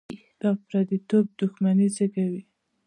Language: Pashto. دا پرديتوب دښمني زېږوي.